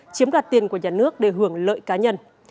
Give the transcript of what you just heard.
chiếm đoạt tiền của nhà nước để hưởng lợi cá nhân